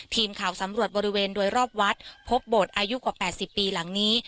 ทีมข่าวสำรวจบริเวณโดยรอบวัดพบโบสถ์อายุกว่า๘๐ปีหลังนี้